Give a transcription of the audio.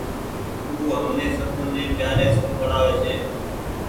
او همني سبوني پيآري سون پڙآوي ڇي۔